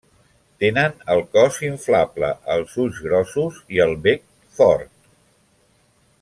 Tenen el cos inflable, els ulls grossos, el bec fort.